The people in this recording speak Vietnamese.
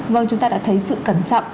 vâng chúng ta đã thấy sự cẩn trọng